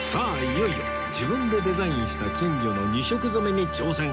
いよいよ自分でデザインした金魚の２色染めに挑戦